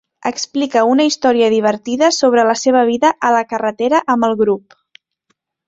Explica una història divertida sobre la seva vida a la carretera amb el grup.